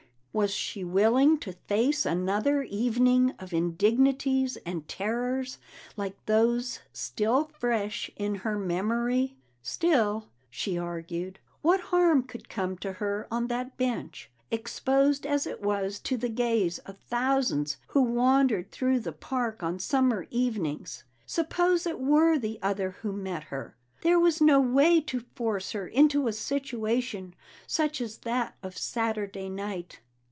Was she willing to face another evening of indignities and terrors like those still fresh in her memory? Still, she argued, what harm could come to her on that bench, exposed as it was to the gaze of thousands who wandered through the park on summer evenings? Suppose it were the other who met her; there was no way to force her into a situation such as that of Saturday night.